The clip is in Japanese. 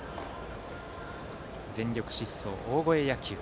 全力疾走、大声野球。